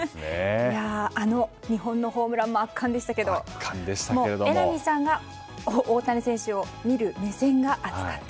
あの２本のホームランも圧巻でしたけど榎並さんが大谷選手を見る目線が熱かった。